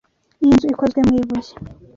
Iyi nzu ikozwe mu ibuye.